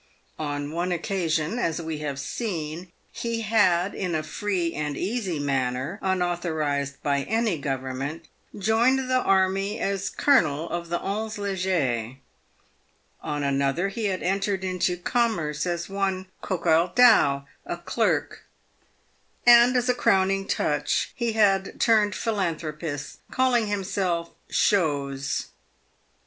On one occasion, as we have seen, he had, in a free and easy manner, unauthorised by any government, joined the army as Colonel of the ll e Leger ; on another he had entered into com merce as one Coquardeau, a clerk ; and, as a crowning touch, he had turned philanthropist, calling himself Chose.